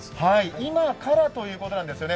今からということなんですよね。